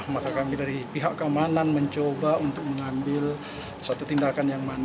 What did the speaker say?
maka kami dari pihak keamanan mencoba untuk mengambil satu tindakan yang mana